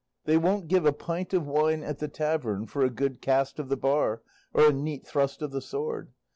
They won't give a pint of wine at the tavern for a good cast of the bar or a neat thrust of the sword.